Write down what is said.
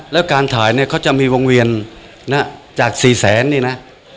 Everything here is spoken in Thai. แล้วการถ่ายเนี่ยเขาจะมีวงเวียนนะจากสี่แสนนี่นะ